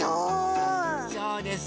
そうです。